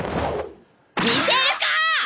見せるかッ！